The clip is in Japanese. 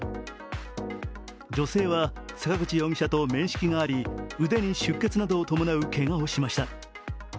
女性は坂口容疑者と面識があり、腕に出血などを伴うけがをしました。